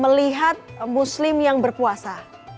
melihat muslim yang berpuasa